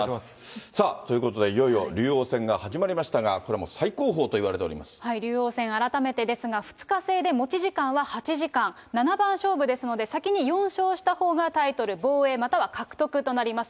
さあ、ということで、いよいよ竜王戦が始まりましたが、これもう、最高竜王戦、改めてですが、２日制で持ち時間は８時間、七番勝負ですので、先に４勝したほうがタイトル防衛、または獲得となります。